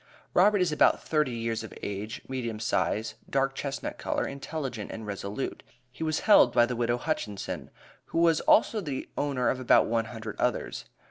Robert is about thirty years of age, medium size, dark chestnut color, intelligent and resolute. He was held by the widow Hutchinson, who was also the owner of about one hundred others.